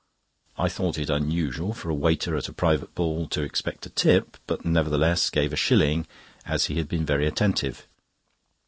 I thought it unusual for a waiter at a private ball to expect a tip, but nevertheless gave a shilling, as he had been very attentive.